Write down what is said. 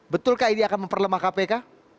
betulkah ini akan memperlemah kpk